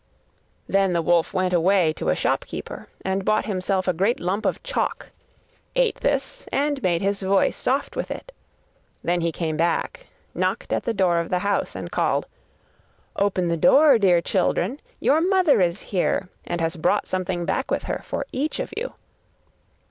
Then the wolf went away to a shopkeeper and bought himself a great lump of chalk, ate this and made his voice soft with it. Then he came back, knocked at the door of the house, and called: 'Open the door, dear children, your mother is here and has brought something back with her for each of you.